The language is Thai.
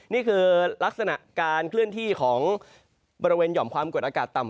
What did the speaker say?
นี่คือลักษณะการเคลื่อนที่ของบริเวณหย่อมความกดอากาศต่ำ